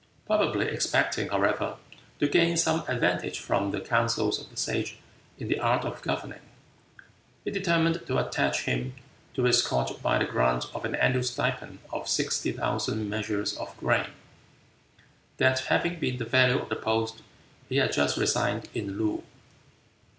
Probably expecting, however, to gain some advantage from the counsels of the Sage in the art of governing, he determined to attach him to his court by the grant of an annual stipend of sixty thousand measures of grain that having been the value of the post he had just resigned in Loo.